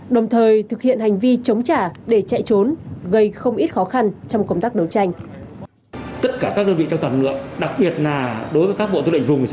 đồng thời thực hiện hành vi chống trả để chạy trốn gây không ít khó khăn trong công tác đấu tranh